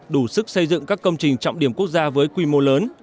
đủ sức xây dựng các công trình trọng điểm quốc gia với quy mô lớn